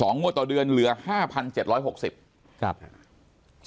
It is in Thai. ๒งวดต่อเดือนเหลือ๕๗๖๐บาท